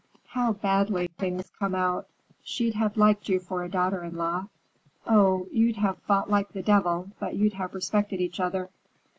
"How badly things come out! She'd have liked you for a daughter in law. Oh, you'd have fought like the devil, but you'd have respected each other."